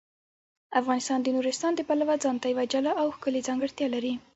افغانستان د نورستان د پلوه ځانته یوه جلا او ښکلې ځانګړتیا لري.